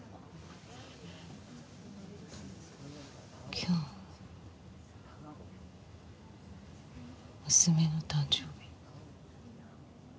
今日娘の誕生日